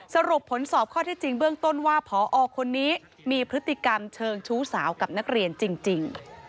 สรุปผลสอบข้อที่จริงเบื้องต้นว่าพอคนนี้มีพฤติกรรมเชิงชู้สาวกับนักเรียนจริง